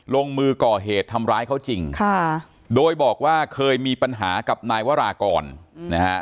ลงมือก่อเหตุทำร้ายเขาจริงค่ะโดยบอกว่าเคยมีปัญหากับนายวรากรนะฮะ